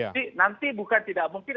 jadi nanti bukan tidak mungkin